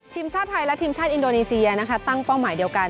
ทีมชาติไทยและทีมชาติอินโดนีเซียนะคะตั้งเป้าหมายเดียวกัน